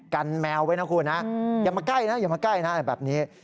กันแมวไว้นะคุณอย่ามาใกล้นะอย่ามาใกล้นะแบบนี้